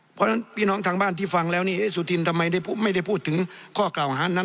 เพราะฉะนั้นพี่น้องทางบ้านที่ฟังแล้วนี่สุธินทำไมไม่ได้พูดถึงข้อกล่าวหานั้น